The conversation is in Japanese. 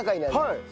はい。